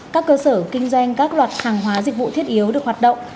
các cơ sở kinh doanh các loại hàng hóa dịch vụ thiết yếu được hoạt động